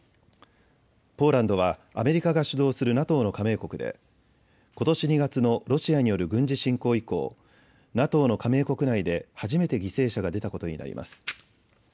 ポーランドはアメリカが主導するＮＡＴＯの加盟国でことし２月のロシアによる軍事侵攻以降、ＮＡＴＯの加盟国内で初めて犠牲者が出たことになります。